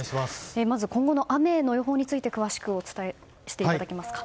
まず、今後の雨の予報について詳しくお伝えしていただけますか。